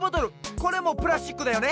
これもプラスチックだよね。